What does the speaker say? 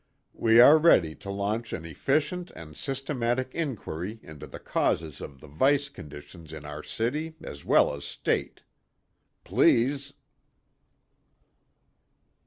We are ready to launch an efficient and systematic inquiry into the causes of the vice conditions in our city as well as state. Please...."